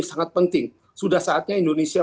sangat penting sudah saatnya indonesia